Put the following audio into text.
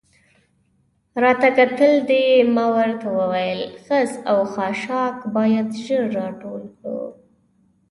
راته کتل دې؟ ما ورته وویل: خس او خاشاک باید ژر را ټول کړو.